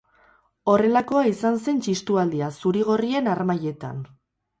Horrelakoa izan zen txistualdia, zuri-gorrien harmailetan.